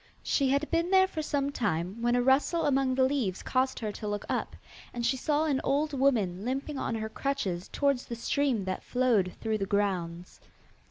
She had been there for some time, when a rustle among the leaves caused her to look up, and she saw an old woman limping on her crutches towards the stream that flowed through the grounds.